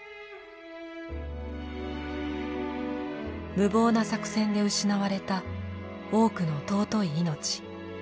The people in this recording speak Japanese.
無謀な作戦で失われた多くの尊い命。